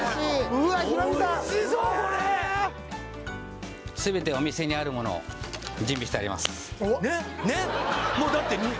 うわおいしそうこれ全てお店にあるものを準備してあります